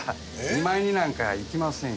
見舞いになんか行きませんよ。